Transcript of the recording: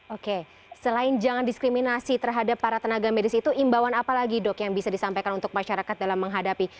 oke selain jangan diskriminasi terhadap para tenaga medis itu imbauan apa lagi dok yang bisa disampaikan untuk masyarakat dalam menghadapi